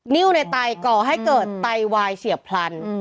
นิ้วในไตก่อให้เกิดไตวายเฉียบพลัน